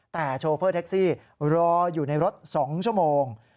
แต่โชเฟอร์แท็กซี่รออยู่ในรถ๒ชั่วโมง